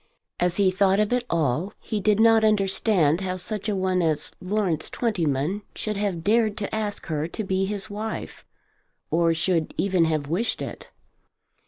As he thought of it all he did not understand how such a one as Lawrence Twentyman should have dared to ask her to be his wife, or should even have wished it.